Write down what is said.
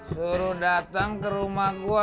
suruh dateng ke rumah gua